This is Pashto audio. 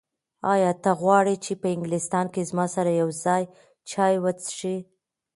ایا ته غواړې چې په انګلستان کې زما سره یو ځای چای وڅښې؟